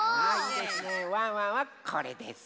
ワンワンはこれです。